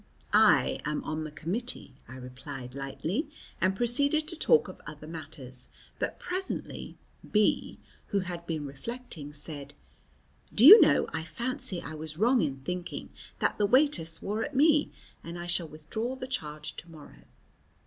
"I am on the committee," I replied lightly, and proceeded to talk of other matters, but presently B , who had been reflecting, said: "Do you know I fancy I was wrong in thinking that the waiter swore at me, and I shall withdraw the charge to morrow."